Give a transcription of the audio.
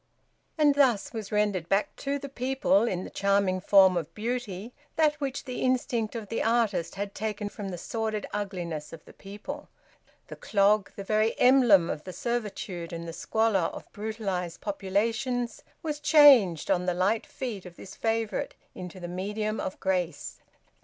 And thus was rendered back to the people in the charming form of beauty that which the instinct of the artist had taken from the sordid ugliness of the people. The clog, the very emblem of the servitude and the squalor of brutalised populations, was changed, on the light feet of this favourite, into the medium of grace.